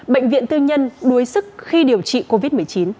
bệnh viện tư nhân đuối sức khi điều trị covid một mươi chín